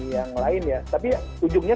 yang lain ya tapi ujungnya